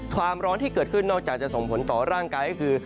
ความร้อนที่เกิดขึ้นนอกจากจะส่งผลต่อร่างกายก็คือ